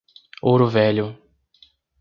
Ouro Velho